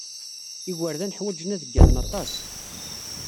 Igerdan ḥwajen ad gganen aṭas.